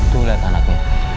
tuh lihat anaknya